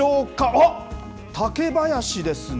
あっ、竹林ですね。